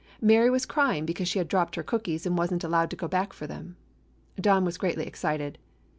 Mary was crying because she had dropped her cookies and was n't allowed to go back for them. Don was greatly excited.